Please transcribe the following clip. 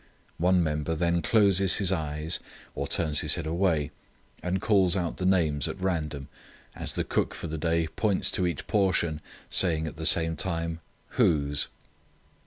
One member then closes his eyes or turns his head away and calls out the names at random, as the cook for the day points to each portion, saying at the same time, 'Whose?